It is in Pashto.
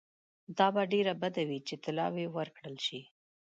دا به ډېره بده وي چې طلاوي ورکړه شي.